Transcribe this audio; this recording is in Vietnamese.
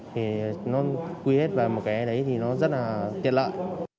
thì nó quy hết về một cái đấy thì nó rất là tiện lợi